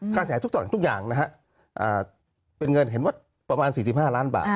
ค่าเสียหายทุกอย่างเป็นเงินเห็นว่าประมาณ๔๕ล้านบาท